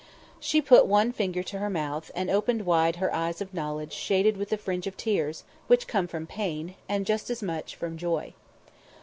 She put one finger to her mouth, and opened wide her eyes of knowledge shaded with the fringe of tears, which come from pain, and just as much from joy.